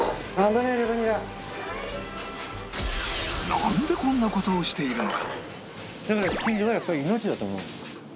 なんでこんな事をしているのか？